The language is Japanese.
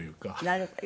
なるほど。